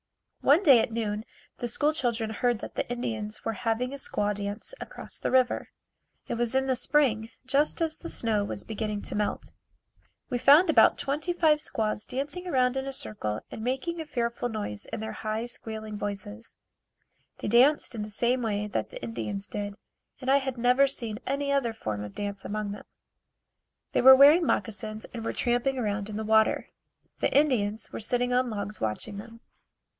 One day at noon the school children heard that the Indians were having a squaw dance across the river. It was in the spring, just as the snow was beginning to melt. We found about twenty five squaws dancing around in a circle and making a fearful noise in their high squealing voices. They danced in the same way that the Indians did, and I had never seen any other form of dancing among them. They were wearing moccasins and were tramping around in the water. The Indians were sitting on logs watching them.